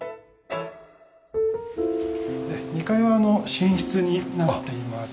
２階はあの寝室になっています。